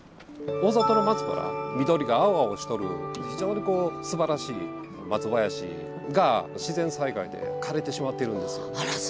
大里の松原緑が青々しとる非常にすばらしい松林が自然災害で枯れてしまっているんですよ。